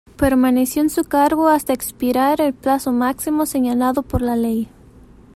Permaneció en su cargo hasta expirar el plazo máximo señalado por la ley.